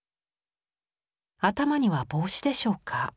頭には帽子でしょうか？